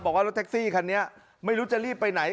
บอกว่ารถแท็กซี่คันนี้ไม่รู้จะรีบไปไหน